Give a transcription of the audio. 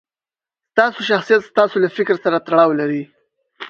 ستاسو شخصیت ستاسو له فکر سره تړاو لري.